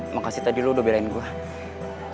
makasih tadi lu udah beri gue